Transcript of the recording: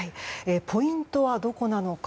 ポイントはどこなのか。